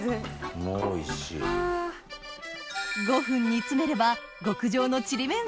５分煮詰めれば極上のちりめん